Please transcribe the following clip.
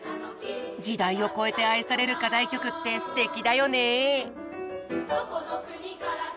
時代を超えて愛される課題曲ってすてきだよね！